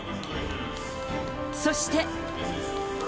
そして。